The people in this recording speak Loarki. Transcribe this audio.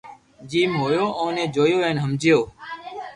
جيم ھوئو اوني جويو ھين ھمجيو